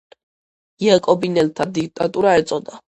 იაკობინელთა დიქტატურა ეწოდა.